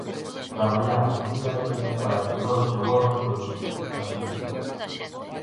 "Traballamos día a día para que non se volvan producir", advirten.